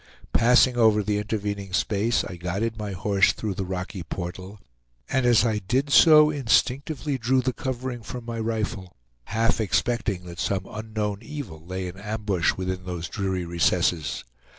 Passing over the intervening space I guided my horse through the rocky portal, and as I did so instinctively drew the covering from my rifle, half expecting that some unknown evil lay in ambush within those dreary recesses.